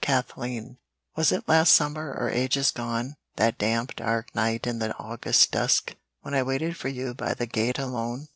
ONE NIGHT Was it last summer, or ages gone, That damp, dark night in the August dusk, When I waited for you by the gate alone?